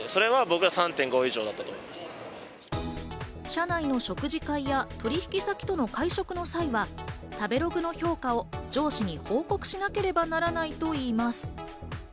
社内の食事会や取引先との会食の際は、食べログの評価を上司に報告しなければならないといいます。